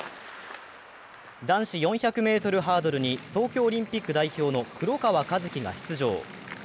男子４００ｍハードルに東京オリンピック代表の黒川和樹が出場。